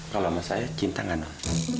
kalau sama saya cinta gak non